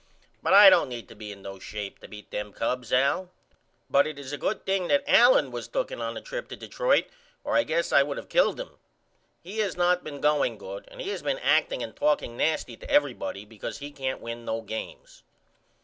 But I don't need to be in no shape to beat them Cubs Al. But it is a good thing Al that Allen was tooken on the trip to Detroit or I guess I would of killed him. He has not been going good and he has been acting and talking nasty to everybody because he can't win no games.